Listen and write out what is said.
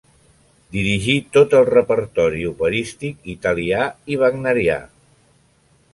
Dirigí tot el repertori operístic italià i wagnerià.